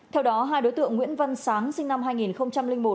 theo đó hai đối tượng nguyễn văn sáng sinh năm hai nghìn một